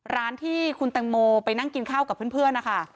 ร้านที่คุณแตงโมไปนั่งกินข้าวกับเพื่อนนะคะ